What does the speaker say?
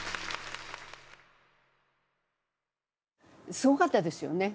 すごかったですよね。